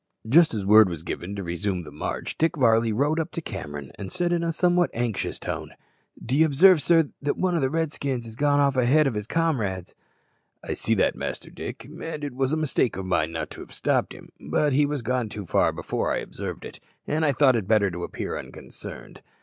Just as the word was given to resume the march, Dick Varley rode up to Cameron and said in a somewhat anxious tone, "D'ye obsarve, sir, that one o' the Redskins has gone off ahead o' his comrades?" "I see that, Master Dick; and it was a mistake of mine not to have stopped him, but he was gone too far before I observed it, and I thought it better to appear unconcerned.